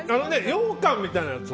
ようかんみたいなやつ。